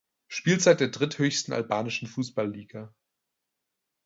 Spielzeit der dritthöchsten albanischen Fußballliga.